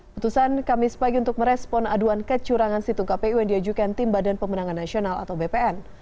putusan kamis pagi untuk merespon aduan kecurangan situng kpu yang diajukan tim badan pemenangan nasional atau bpn